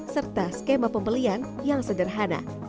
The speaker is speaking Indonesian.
serta skema pembelian yang sederhana